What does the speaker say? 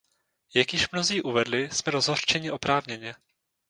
Jak již mnozí uvedli, jsme rozhořčeni oprávněně.